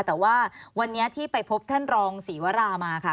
แต่ว่าวันนี้ที่ไปพบท่านรองศรีวรามาค่ะ